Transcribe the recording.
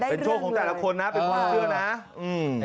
เป็นโชคของแต่ละคนนะเป็นความเชื่อนะ